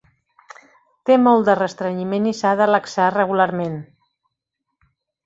Té molt de restrenyiment i s'ha de laxar regularment.